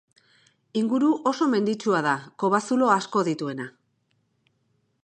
Inguru oso menditsua da, kobazulo asko dituena.